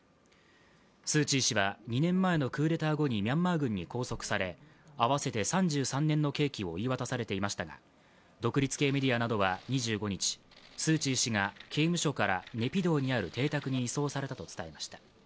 スー・チー氏は２年前のクーデター後にミャンマー軍に拘束され合わせて３３年の刑期を言い渡されていましたが独立系メディアなどは２５日、スー・チー氏が刑務所からネピドーにある邸宅に移送されたと伝えました。